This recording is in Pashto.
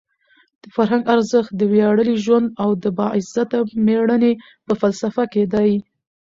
د فرهنګ ارزښت د ویاړلي ژوند او د باعزته مړینې په فلسفه کې دی.